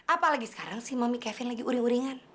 apalagi sekarang sih mami kevin lagi uring uringan